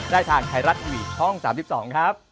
ได้ทางไทยรัฐทีวีช่อง๓๒ครับ